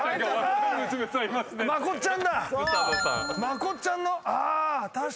まこっちゃんの確かに。